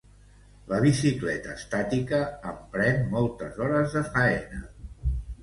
La bicicleta estàtica em pren moltes hores de faena.